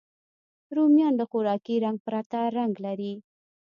رومیان له خوراکي رنګ پرته رنګ لري